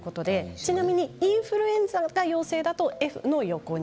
ちなみにインフルエンザが陽性だとＦのところが。